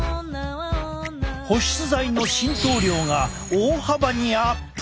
保湿剤の浸透量が大幅にアップ！